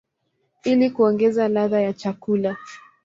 ili kuongeza ladha ya chakula.